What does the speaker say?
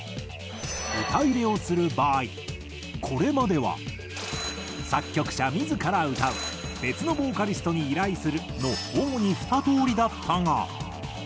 歌入れをする場合これまでは「作曲者自ら歌う」「別のボーカリストに依頼する」の主に２通りだったが。